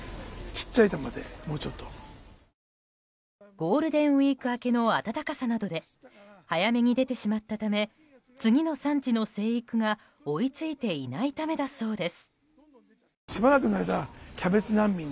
ゴールデンウィーク明けの暖かさなどで早めに出てしまったため次の産地の生育が追いついていないためだそうです。